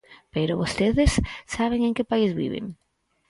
Pero ¿vostedes saben en que país viven?